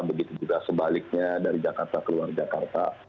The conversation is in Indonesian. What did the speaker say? begitu juga sebaliknya dari jakarta ke luar jakarta